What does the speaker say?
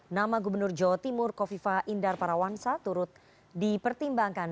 nama gubernur jawa timur kofifa indar parawansa turut dipertimbangkan